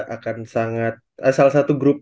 akan sangat salah satu grup